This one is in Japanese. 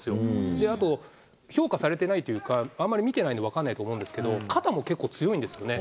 で、あと評価されていないというか、あんまり見てないと分かんないと思うんですけど、肩も結構強いんですよね。